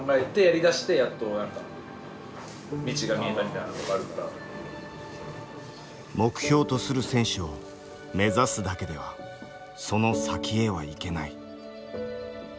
どういうどう考えて「目標とする選手を目指すだけではその先へは行けない」。